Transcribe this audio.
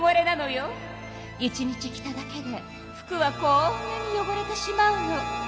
１日着ただけで服はこんなによごれてしまうの。